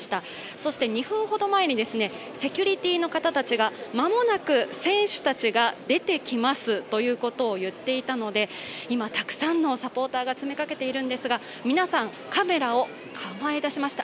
そして２分ほど前にセキュリティーの方たちが間もなく選手たちが出てきますということを言っていたので今たくさんのサポーターが詰めかけているんですが、皆さん、カメラを構え出しました。